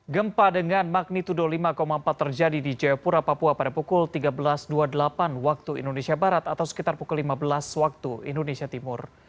gempa dengan magnitudo lima empat terjadi di jayapura papua pada pukul tiga belas dua puluh delapan waktu indonesia barat atau sekitar pukul lima belas waktu indonesia timur